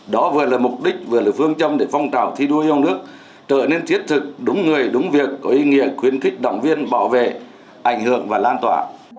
đó vừa là mục đích vừa là phương châm để phong trào thi đua yêu nước trở nên thiết thực đúng người đúng việc có ý nghĩa khuyến khích động viên bảo vệ ảnh hưởng và lan tỏa